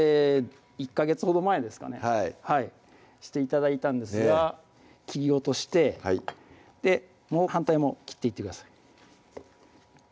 １ヵ月ほど前ですかねはいして頂いたんですがねぇ切り落としてはいもう反対も切っていってください